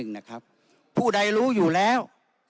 นะครับผู้ใดรู้อยู่แล้ว